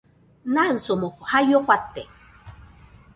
Naɨsomo jaio fate